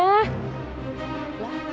lah cepet banget sih perginya